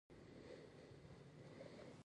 د سکرو ذخیره کولو لپاره ځانګړي ځایونه جوړېږي.